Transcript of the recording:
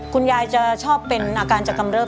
คุณยายจะชอบเป็นอาการจะกำเริบ